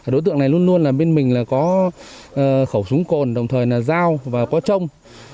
đối tượng này luôn luôn bên mình có khẩu súng cồn đồng thời là dao và có trông